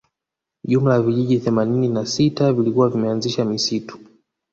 Jumla ya vijiji themanini na sita vilikuwa vimeanzisha misitu